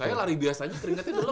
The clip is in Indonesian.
saya lari biasanya keringatnya dulu